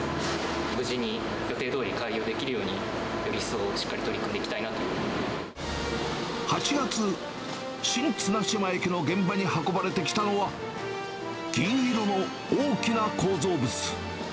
無事に予定どおり開業できるように、より一層、しっかり取り組ん８月、新綱島駅の現場に運ばれてきたのは、銀色の大きな構造物。